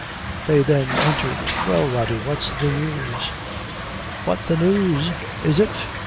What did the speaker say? They then entered. "Well, Rody, what's the news?" "What the news, is it?